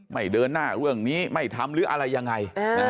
เดินหน้าเรื่องนี้ไม่ทำหรืออะไรยังไง